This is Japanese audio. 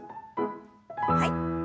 はい。